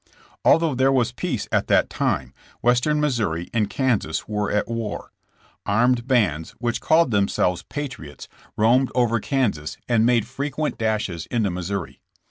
Although there was peace at that time, Western Missouri and Kansas were at war. Armed bands which called themselves ''patriots'' roamed THE BORDER WARS. 25 over Kansas and made frequent dashes into Missouri.